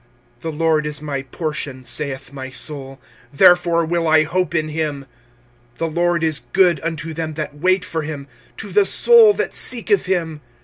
25:003:024 The LORD is my portion, saith my soul; therefore will I hope in him. 25:003:025 The LORD is good unto them that wait for him, to the soul that seeketh him.